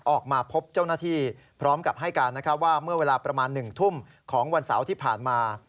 ออกมาพบเจ้าหน้าที่พร้อมกับให้การว่าเมื่อเวลาประมาณ๑ทุ่มของวันเสาร์ที่ผ่านมา